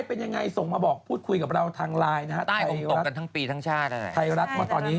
ปลิงตกกันทั้งปีทันชาติ